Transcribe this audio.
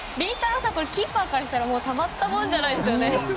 さんキーパーからしたらたまったもんじゃないですよね。